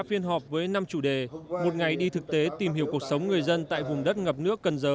phiên họp với năm chủ đề một ngày đi thực tế tìm hiểu cuộc sống người dân tại vùng đất ngập nước cần giờ